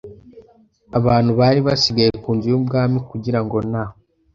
abantu bari basigaye ku Nzu y Ubwami kugira ngo na